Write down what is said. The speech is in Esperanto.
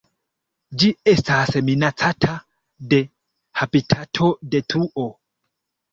Ĝi estas minacata de habitatodetruo.